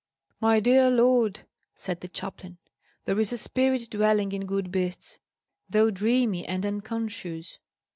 "My dear lord," said the chaplain, "there is a spirit dwelling in good beasts, though dreamy and unconscious."